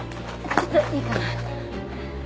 ちょっといいかな？